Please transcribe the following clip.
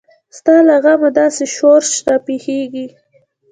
ستا له غمه داسې شورش راپېښیږي.